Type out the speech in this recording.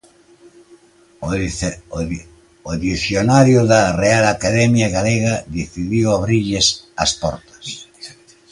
O Dicionario da Real Academia Galega decidiu abrirlles as portas.